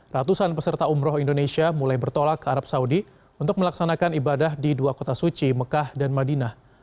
ratusan peserta umroh indonesia mulai bertolak ke arab saudi untuk melaksanakan ibadah di dua kota suci mekah dan madinah